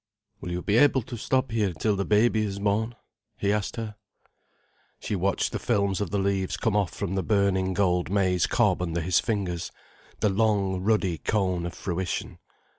"Will you be able to stop here till the baby is born?" he asked her. She watched the films of the leaves come off from the burning gold maize cob under his fingers, the long, ruddy cone of fruition.